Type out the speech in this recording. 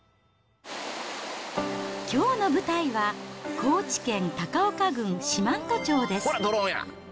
きょうの舞台は、高知県高岡郡四万十町です。